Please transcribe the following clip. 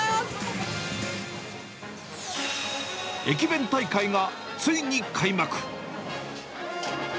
駅弁大会がついに開幕。